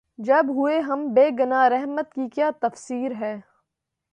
جب ہوئے ہم بے گنہ‘ رحمت کی کیا تفصیر ہے؟